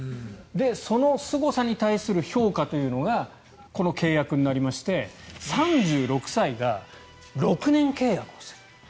そのすごさに対する評価というのがこの契約になりまして３６歳が６年契約をする。